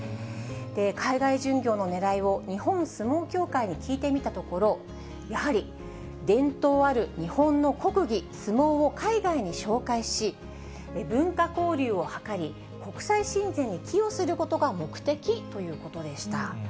海外巡業のねらいを日本相撲協会に聞いてみたところ、やはり伝統ある日本の国技、相撲を海外に紹介し、文化交流を図り、国際親善に寄与することが目的ということでした。